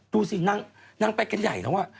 ดูสินั่งไปกันใหญ่แล้วอ่ะ